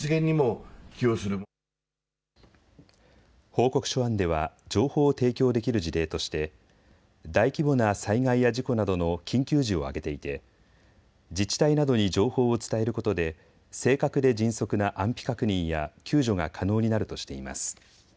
報告書案では情報を提供できる事例として大規模な災害や事故などの緊急時を挙げていて自治体などに情報を伝えることで正確で迅速な安否確認や救助が可能になるとしています。